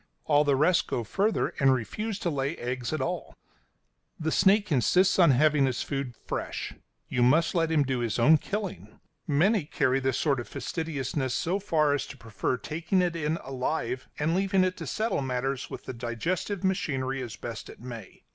All the rest go further, and refuse to lay eggs at all. [Illustration: FIRST THIS TIME, I THINK!] [Illustration: LOR!] The snake insists on having his food fresh; you must let him do his own killing. Many carry this sort of fastidiousness so far as to prefer taking it in alive, and leaving it to settle matters with the digestive machinery as best it may.